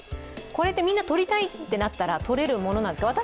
これってみんな取りたいと思ったら取れるものなんですか？